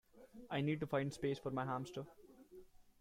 I need to find space for my hamster